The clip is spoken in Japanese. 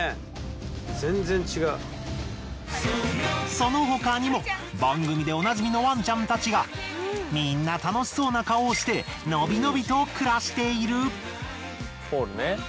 その他にも番組でおなじみのワンちゃんたちがみんな楽しそうな顔をしてのびのびと暮らしている。